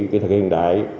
kỹ thực hiện đại